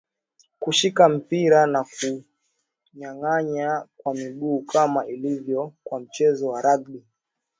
kushika mpira na kunyanganyana kwa mguu kama ilivyo kwa mchezo wa Ragbi